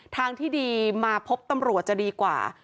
ทางที่ดีมาพบตำรวจจะดีกว่า